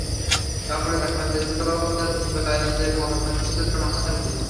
কাপড়ের একপ্রান্ত ছিল তাঁর দুই পায়ের নিচে এবং অপরপ্রান্ত ছিল তাঁর মাথার নিচে।